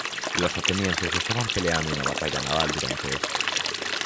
Los atenienses estaban peleando una batalla naval durante esto".